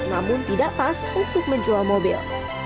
namun tidak pas untuk menjual mobil